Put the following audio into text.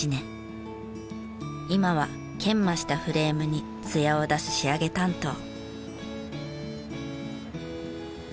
今は研磨したフレームにツヤを出す仕上げ担当。